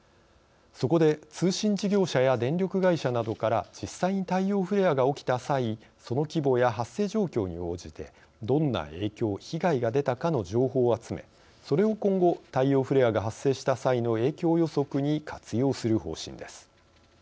そこで、通信事業者や電力会社などから実際に太陽フレアが起きた際その規模や発生状況に応じてどんな影響・被害が出たかの情報を集め、それを今後太陽フレアが発生した際の影響予測に活用する方針です。